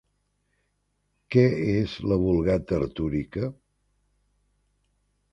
Què és la Vulgata artúrica?